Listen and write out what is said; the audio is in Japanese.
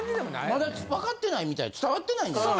まだ分かってないみたい伝わってないんちゃう？